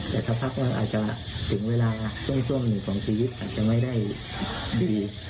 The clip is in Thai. แต่สักพักก็อาจจะถึงเวลาช่วงหนึ่งของชีวิตอาจจะไม่ได้ดี